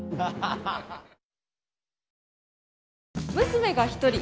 娘が１人。